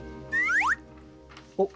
おっ！